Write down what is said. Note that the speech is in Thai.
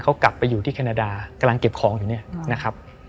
เขากลับไปอยู่ที่แคนาดากำลังเก็บของอยู่เนี่ยนะครับ